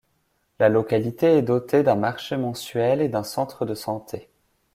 La localité est dotée d'un marché mensuel et d'un centre de santé.